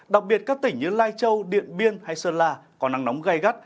đặc biệt các tỉnh như lai châu điện biên hay sơn la có nắng nóng gai gắt